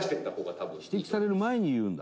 伊達：指摘される前に言うんだ。